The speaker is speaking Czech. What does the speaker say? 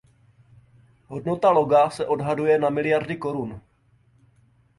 Hodnota loga se odhaduje na miliardy korun.